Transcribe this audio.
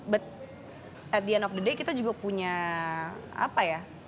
but at the end of the day kita juga punya apa ya